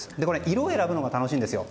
色を選ぶのが楽しいんですよ。